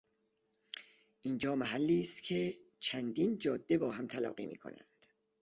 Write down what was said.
اینجا محلی است که چندین جاده با هم تلاقی میکنند.